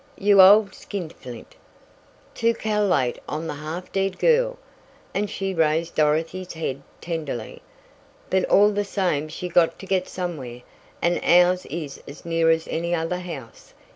"You old skinflint! To cal'late on the half dead girl," and she raised Dorothy's head tenderly. "But all the same she got to get somewhere, and ours is as near as any other house.